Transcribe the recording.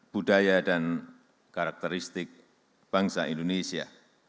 budaya dan karakteristik bangsa indonesia